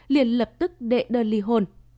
liên lập tức đệ đơn ly hôn